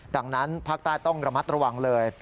ดังนั้นภาคใต้ต้องระมัดระวังเลย